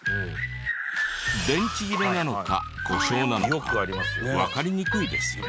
電池切れなのか故障なのかわかりにくいですよね？